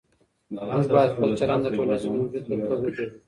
موږ باید خپل چلند د ټولنیز موجود په توګه وپېژنو.